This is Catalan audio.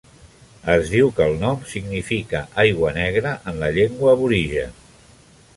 Es diu que el nom significa "Aigua negra" en la llengua aborigen.